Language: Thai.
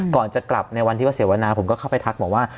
ก่อนจะกลับในวันที่ว่าเสวนาผมก็เข้าไปทักบอกว่า